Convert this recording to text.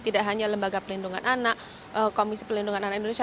tidak hanya lembaga pelindungan anak komisi pelindungan anak indonesia